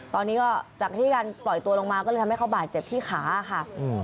ตอนนี้ก็จากที่การปล่อยตัวลงมาก็เลยทำให้เขาบาดเจ็บที่ขาค่ะ